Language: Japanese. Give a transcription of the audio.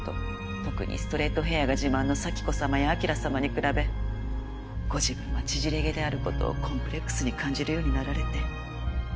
特にストレートヘアが自慢の紗輝子様や輝様に比べご自分は縮れ毛である事をコンプレックスに感じるようになられて。